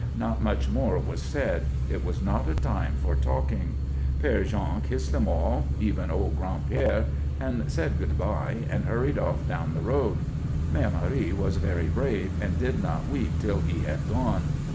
Not much more was said; it was not a time for talking. Père Jean kissed them all, even old Gran'père, and said good bye, and hurried off down the road. Mère Marie was very brave and did not weep till he had gone.